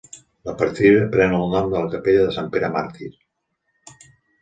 La partida pren el nom de la capella de Sant Pere Màrtir.